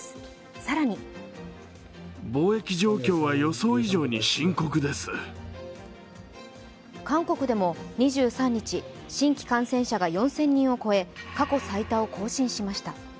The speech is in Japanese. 更に韓国でも２３日、新規感染者が４０００人を超え過去最多を更新しました。